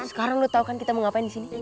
sekarang lu tau kan kita mau ngapain disini